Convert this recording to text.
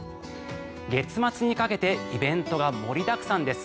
月末にかけてイベントが盛りだくさんです。